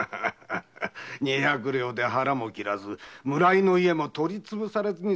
二百両で腹も切らず村井家も取り潰されずに済めば安いものだ。